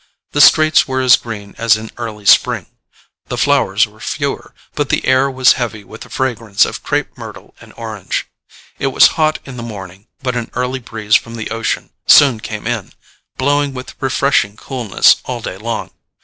The streets were as green as in early spring: the flowers were fewer, but the air was heavy with the fragrance of crape myrtle and orange. It was hot in the morning, but an early breeze from the ocean soon came in, blowing with refreshing coolness all day long.